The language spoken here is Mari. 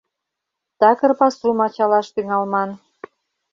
ТАКЫР ПАСУМ АЧАЛАШ ТӰҤАЛМАН